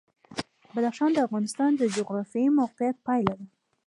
بدخشان د افغانستان د جغرافیایي موقیعت پایله ده.